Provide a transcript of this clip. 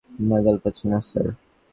নাগাল পাচ্ছি না, স্যার।